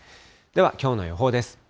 ではきょうの予報です。